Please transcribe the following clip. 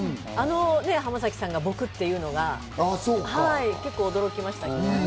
あの浜崎さんが僕というのが結構驚きました。